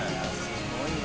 すごいわ。